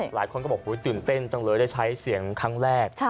หลายคนก็บอกตื่นเต้นจังเลยได้ใช้เสียงครั้งแรก